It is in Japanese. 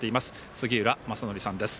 杉浦正則さんです。